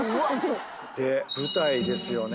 ⁉で舞台ですよね。